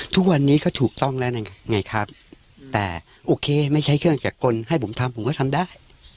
ทุกวันนี้ก็ถูกต้องแล้วนั่นไงครับแต่โอเคไม่ใช้เครื่องจักรกลให้ผมทำผมก็ทำได้